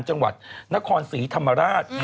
จังหวัดนครศรีธรรมราช